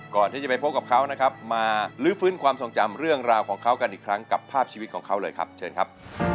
ก่อนที่จะไปพบกับเขานะครับมาลื้อฟื้นความทรงจำเรื่องราวของเขากันอีกครั้งกับภาพชีวิตของเขาเลยครับเชิญครับ